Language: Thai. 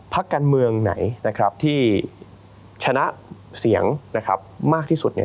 พักการเมืองไหนที่ชนะเสียงมากที่สุด